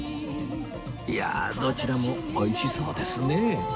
いやどちらも美味しそうですね